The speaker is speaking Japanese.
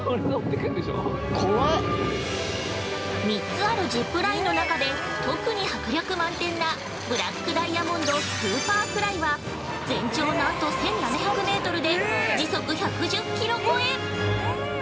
◆３つあるジップラインの中で特に迫力満点な「ブラックダイアモンドスーパーフライ」は、全長なんと１７００メートルで、時速１１０キロ超え！